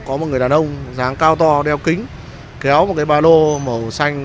có một người đàn ông dáng cao to đeo kính kéo một cái ba lô màu xanh